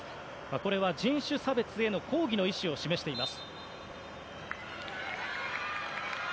これは人種差別への抗議の意思を示しています。